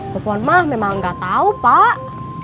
popon mah memang gak tau pak